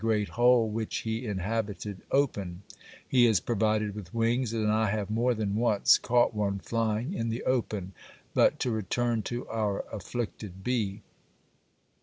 ] great hole which he inhabited open; he is provided with wings, and I have more than once caught one flying in the open but to return to our afflicted bee.